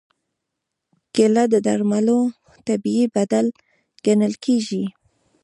کېله د درملو طبیعي بدیل ګڼل کېږي.